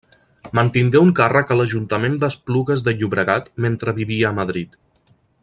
Mantingué un càrrec a l'Ajuntament d'Esplugues de Llobregat mentre vivia a Madrid.